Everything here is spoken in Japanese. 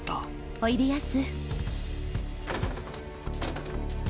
おいでやす。